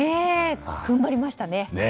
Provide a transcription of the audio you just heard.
踏ん張りましたね。